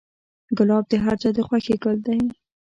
ګلاب د هر چا د خوښې ګل دی.